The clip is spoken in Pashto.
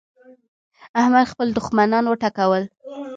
احمد خپل دوښمنان وټکول.